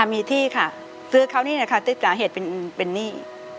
ค่ะมีที่ค่ะซื้อเขานี่นะคะติดหนาเหตุเป็นนี่